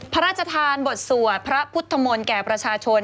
พระราชทานบทสวดพระพุทธมนตร์แก่ประชาชน